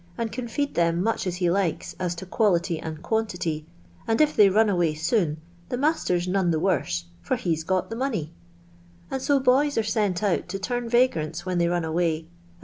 and can feed them much as he liki 5 an to ipialiiy and quantity : and if they run aw.iy noun, the ma. Ntor'» none the wor^e, fur he '> i:i<t th«' nmncy ; and >o bo\ > are sent out to tiiiu \.i;i.iiil<t when they run away, as